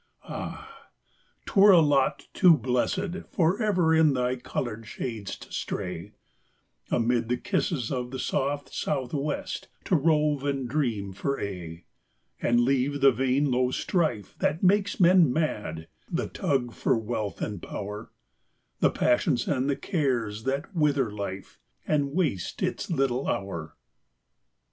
Ah! 'twere a lot too blessed For ever in thy coloured shades to stray; Amid the kisses of the soft south west To rove and dream for aye; And leave the vain low strife That makes men mad the tug for wealth and power, The passions and the cares that wither life, And waste its little hour.